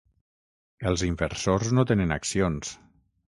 Els inversors no tenen accions.